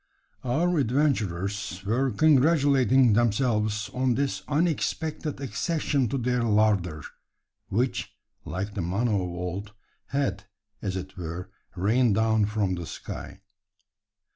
Our adventurers were congratulating themselves on this unexpected accession to their larder; which, like the manna of old, had, as it were, rained down from the sky.